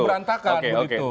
baru agak berantakan